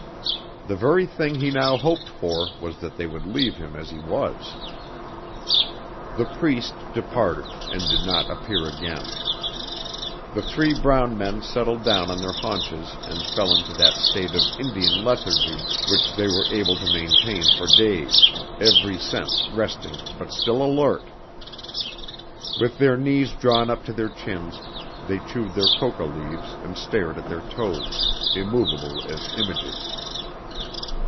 The very thing he now hoped for was that they would leave him as he was. The Priest departed and did not appear again. The three brown men settled down on their haunches and fell into that state of Indian lethargy which they were able to maintain for days, every sense resting but still alert. With their knees drawn up to their chins they chewed their coca leaves and stared at their toes, immovable as images.